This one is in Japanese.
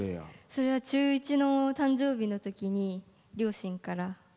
それは中１の誕生日のときに両親から。